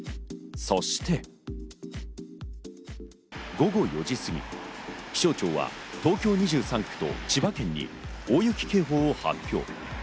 そして、午後４時過ぎ、気象庁は東京２３区と千葉県に大雪警報を発表。